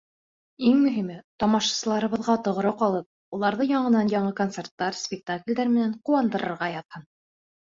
Иң мөһиме — тамашасыларыбыҙға тоғро ҡалып, уларҙы яңынан-яңы концерттар, спектаклдәр менән ҡыуандырырға яҙһын.